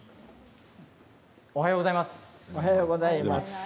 おはようございます。